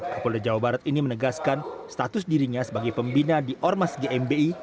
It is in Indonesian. kapolda jawa barat ini menegaskan status dirinya sebagai pembina di ormas gmi